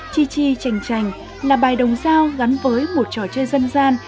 chi chi chành chành là bài đồng sao gắn với một trò chơi dân gian